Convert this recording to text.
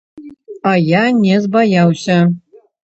А я не збаяўся.